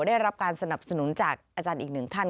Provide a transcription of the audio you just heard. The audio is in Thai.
ได้รับการสนับสนุนจากอาจารย์อีกหนึ่งท่าน